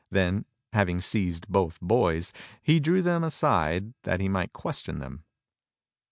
Then, having seized both boys, he drew them aside that he might question them.